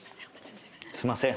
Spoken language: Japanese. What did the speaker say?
すいません。